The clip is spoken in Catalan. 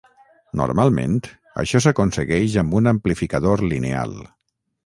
Normalment, això s'aconsegueix amb un amplificador lineal.